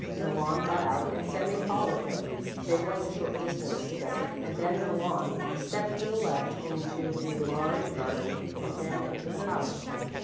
Malon got out and Sami followed him. They went a short distance together and then Malon stepped to the left into a large garden and then into the house.